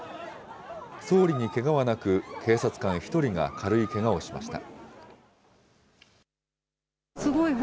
総理にけがはなく、警察官１人が軽いけがをしました。